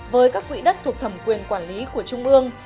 với các quỹ đất thuộc thẩm quyền quản lý của trung ương